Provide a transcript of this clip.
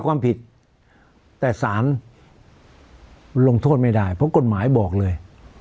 ความผิดแต่สารลงโทษไม่ได้เพราะกฎหมายบอกเลย